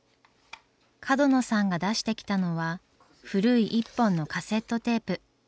角野さんが出してきたのは古い一本のカセットテープ。